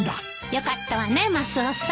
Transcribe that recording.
よかったわねマスオさん。